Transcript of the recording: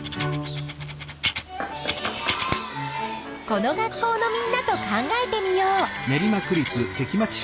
この学校のみんなと考えてみよう！